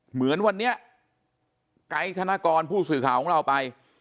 เหมือนวันนี้ไกด์ธนกรผู้สื่อข่าวของเราไป